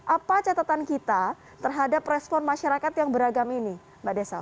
apa catatan kita terhadap respon masyarakat yang beragam ini mbak desa